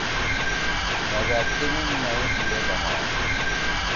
نے ڙٲت کے نیِن نٲئی دی ئے دما